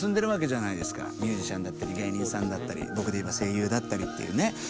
ミュージシャンだったり芸人さんだったり僕で言えば声優だったりっていうね。